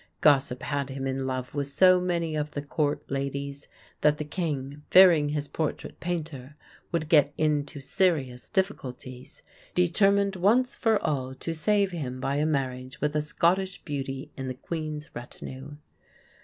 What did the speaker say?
Gossip had him in love with so many of the court ladies that the king, fearing his portrait painter would get into serious difficulties, determined once for all to save him by a marriage with a Scottish beauty in the queen's retinue.